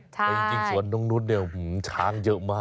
จริงส่วนตรงนู้นเดียวช้างเยอะมาก